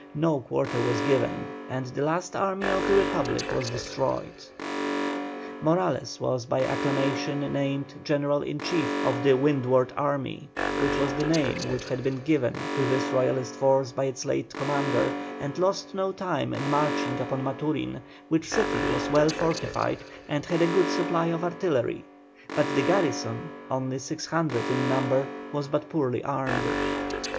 No quarter was given and the last army of the Republic was destroyed. Morales was by acclamation named General in Chief of the "Windward Army," which was the name which had been given to this Royalist force by its late commander, and lost no time in marching upon Maturin, which city was well fortified and had a good supply of artillery, but the garrison, only 600 in number, was but poorly armed.